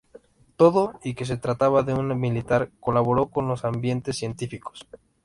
Todo y que se trataba de un militar, colaboró con los ambientes científicos.